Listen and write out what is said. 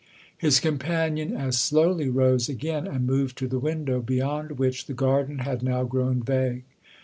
His companion as slowly rose again and moved to the window, beyond which the garden had now grown vague.